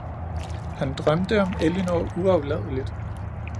Han drømte om Ellinor uafladeligt.